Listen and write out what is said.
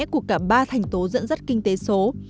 của cả ba thành tố dẫn dắt kinh tế số